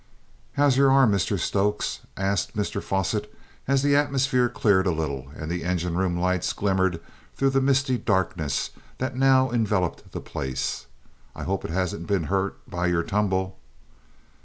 "How's your arm, Mr Stokes?" asked Mr Fosset as the atmosphere cleared a little and the engine room lights glimmered through the misty darkness that now enveloped the place. "I hope it hasn't been hurt by your tumble?"